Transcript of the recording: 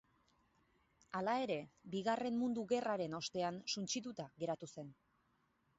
Hala ere, Bigarren Mundu Gerraren ostean suntsituta geratu zen.